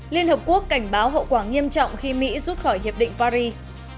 liên hợp quốc cảnh báo hậu quả nghiêm trọng khi mỹ rút khỏi hiệp định paris